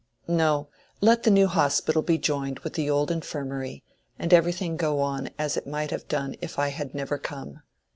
No—let the new Hospital be joined with the old Infirmary, and everything go on as it might have done if I had never come.